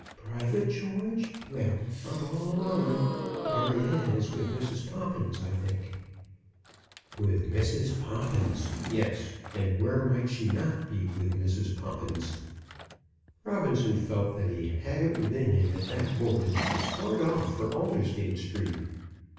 "Private, George! Well, I'm all alone. Maryanne is with Mrs. Poppins, I think." With Mrs. Poppins! Yes; and where might she not be with Mrs. Poppins? Robinson felt that he had it within him at that moment to start off for Aldersgate Street.